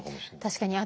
確かに。